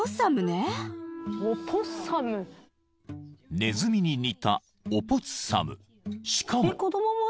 ［ネズミに似たオポッサムしかも］